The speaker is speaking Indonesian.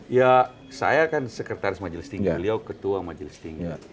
ya saya kan sekretaris majelis tinggi beliau ketua majelis tinggi